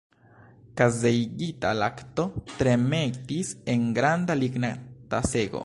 Kazeigita lakto tremetis en granda ligna tasego.